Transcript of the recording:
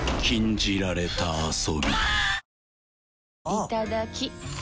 いただきっ！